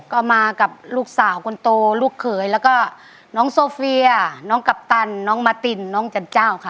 ก็มากับลูกสาวคนโตลูกเขยแล้วก็น้องโซเฟียน้องกัปตันน้องมาตินน้องจันเจ้าค่ะ